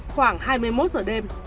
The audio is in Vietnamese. khoảng hai mươi một giờ đêm